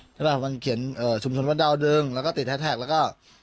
ปะมันเขียนชุมชนวัดดาวดึงแล้วก็ติดแฮสแท็กแล้วก็